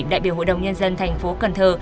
đại biểu hội đồng nhân dân thành phố cần thơ